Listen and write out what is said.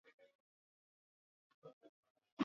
takwimu zinaonyesha kuwa idadi kubwa ya watu wanaamini